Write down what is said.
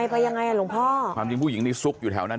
หมัดยังไงนะคะหมัดยังไงเธอว่า